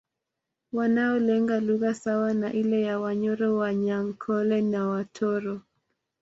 Wanaongea lugha sawa na ile ya Wanyoro Wanyankole na Watoro